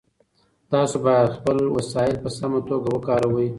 تاسو باید خپل وسایل په سمه توګه وکاروئ.